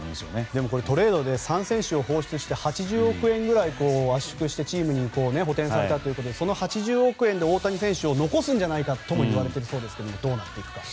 でも、トレードで３選手を放出して８０億円ぐらい圧縮してチームに補填されたということでその８０億円で大谷選手を残すんじゃないかともいわれているそうですがどうなっていくか。